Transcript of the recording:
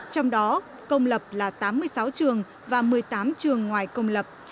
trong đó công lập là tám mươi sáu trường và một mươi tám trường ngoài công lập